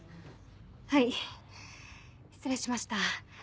はい失礼しました。